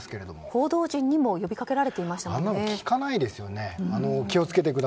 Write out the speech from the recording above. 報道陣にも呼びかけられてましたもんね。